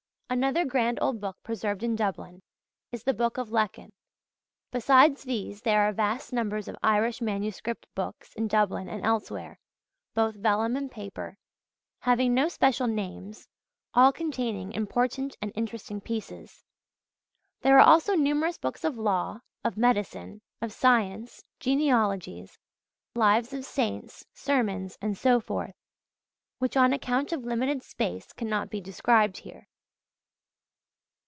Another grand old book preserved in Dublin is the Book of Lecan. Besides these there are vast numbers of Irish manuscript books in Dublin and elsewhere, both vellum and paper, having no special names, all containing important and interesting pieces. There are also numerous books of law, of medicine, of science, genealogies, Lives of saints, sermons, and so forth, which on account of limited space cannot be described here.